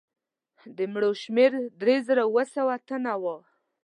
د مړو شمېر درې زره اووه سوه تنه وو.